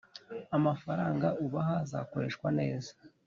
amafaranga ubaha azakoreshwa neza.